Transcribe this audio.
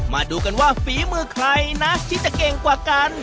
มาดูกันว่าฝีมือใครนะที่จะเก่งกว่ากัน